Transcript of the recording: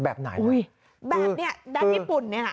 แบบไหนแบบนี้ด๊วยนี่ปุ่นนี่นะครับคือ